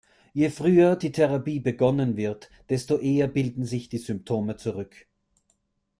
Je früher die Therapie begonnen wird, desto eher bilden sich die Symptome zurück.